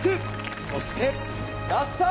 そして那須さん。